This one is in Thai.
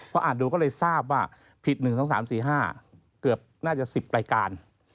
พออ่านดูก็เลยทราบว่าผิด๑๒๓๔๕เกือบน่าจะ๑๐รายการ